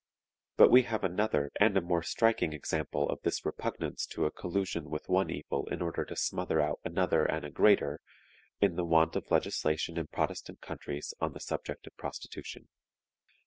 But we have another and a more striking example of this repugnance to a collusion with one evil in order to smother out another and a greater in the want of legislation in Protestant countries on the subject of prostitution.